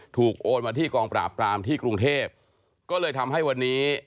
โอนมาที่กองปราบปรามที่กรุงเทพก็เลยทำให้วันนี้